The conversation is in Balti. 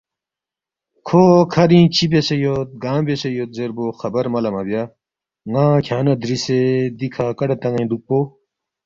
کھو کَھرِنگ چِہ بیاسے یود؟ گانگ بیاسے یود؟ زیربو خبر ملا مہ بیا، ن٘ا کھیانگ نہ دریسے دِکھہ کڑا تان٘ین دُوکپو